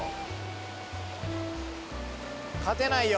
勝てないよ